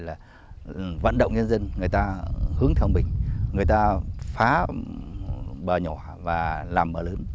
là vận động nhân dân người ta hướng theo mình người ta phá bờ nhỏ và làm bờ lớn